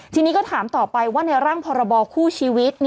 ทีนี้ก็ถามต่อไปว่าในร่างพรบคู่ชีวิต